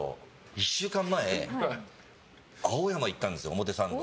１週間前青山に行ったんです、表参道。